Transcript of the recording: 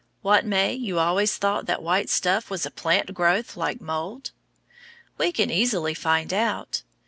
What, May, you always thought that white stuff was a plant growth, like mould? We can easily find out.